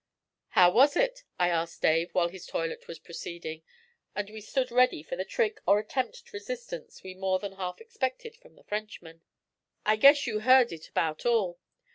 'How was it?' I asked Dave while this toilet was proceeding, and we stood ready for the trick or attempt at resistance we more than half expected from the Frenchman. 'I guess you heard it about all.